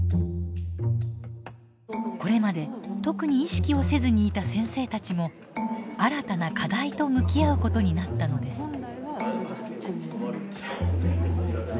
これまで特に意識をせずにいた先生たちも新たな課題と向き合うことになったのです。